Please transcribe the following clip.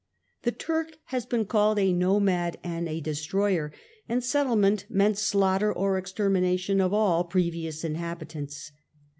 The Turk has been called "a nomad and a destroyer," and settlement meant slaughter or extermination of all previous inhabitants.